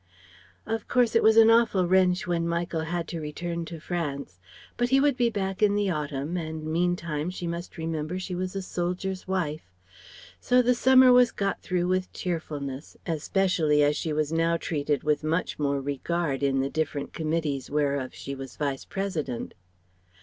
Of course it was an awful wrench when Michael had to return to France. But he would be back in the autumn, and meantime she must remember she was a soldier's wife. So the summer was got through with cheerfulness, especially as she was now treated with much more regard in the different committees whereof she was Vice President.